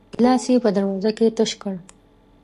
ګيلاس يې په دروازه کې تش کړ.